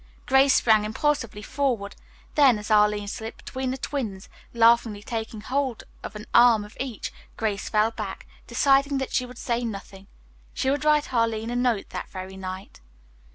Grace sprang impulsively forward. Then, as Arline slipped between the twins, laughingly taking hold of an arm of each, Grace fell back, deciding that she would say nothing. She would write Arline a note that very night.